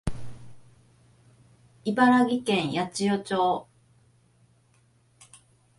茨城県八千代町